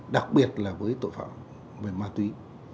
đặc biệt là với tội phạm về ma túy